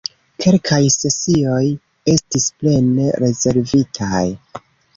Kelkaj sesioj estis plene rezervitaj!